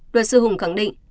luật sư hùng khẳng định